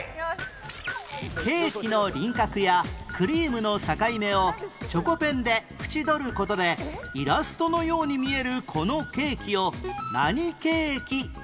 ケーキの輪郭やクリームの境目をチョコペンで縁取る事でイラストのように見えるこのケーキを何ケーキという？